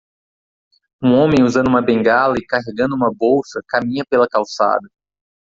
Um homem usando uma bengala e carregando uma bolsa caminha pela calçada.